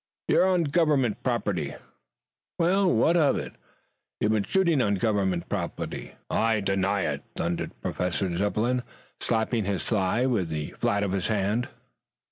"You're on government property." "Well, what of it?" "You've been shooting on government property?" "I deny it," thundered Professor Zepplin, slapping his thigh with the flat of his hand.